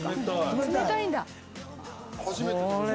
冷たいんだ！